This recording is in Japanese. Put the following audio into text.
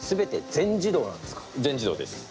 全自動です。